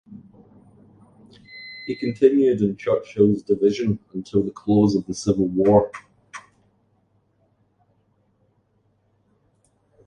He continued in Churchill's division until the close of the Civil War.